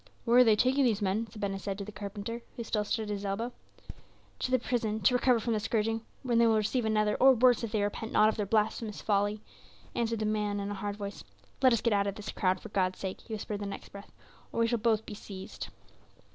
"Where are they taking these men?" said Ben Hesed to the carpenter, who still stood at his elbow. "To the prison, to recover from this scourging, when they will receive another or worse if they repent not of their blasphemous folly," answered the man in a hard voice. "Let us get out of this crowd, for God's sake," he whispered in the next breath, "or we shall both be seized."